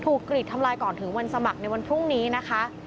กรีดทำลายก่อนถึงวันสมัครในวันพรุ่งนี้นะคะ